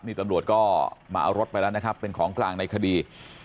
นี่ตำรวจก็มาเอารถไปแล้วนะครับเป็นของกลางในคดี